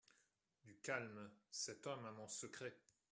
Du calme, cet homme a mon secret.